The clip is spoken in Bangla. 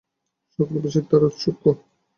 সকল বিষয়েই তার ঔৎসুক্য।